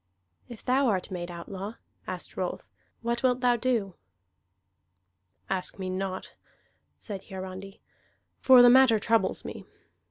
"If thou art made outlaw," asked Rolf, "what wilt thou do?" "Ask me not," said Hiarandi. "For the matter troubles me.